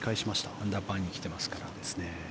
アンダーパーに来てますから。